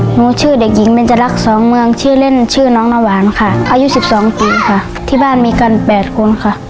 หนูชื่อเด็กหญิงเป็นจรัก๒เมืองชื่อเล่นชื่อน้องนวารค่ะอายุ๑๒ปีที่บ้านมีกัน๘คนครับ